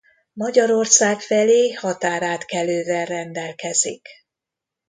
Magyarország felé határátkelővel rendelkezik.